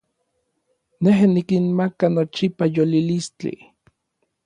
Nej nikinmaka nochipa yolilistli.